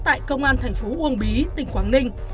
tại công an thành phố uông bí tỉnh quảng ninh